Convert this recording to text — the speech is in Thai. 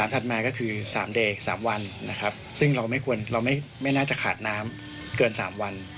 ๓ถัดมาก็คือ๓วันซึ่งเราไม่น่าจะขาดน้ำเกิน๓วัน